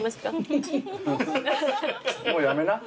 もうやめな。